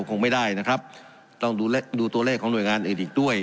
คงไม่ได้นะครับต้องดูตัวเลขของหน่วยงานอื่นอีกด้วย